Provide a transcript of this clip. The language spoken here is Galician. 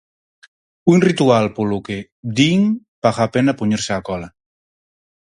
Un ritual polo que, din, paga a pena poñerse á cola.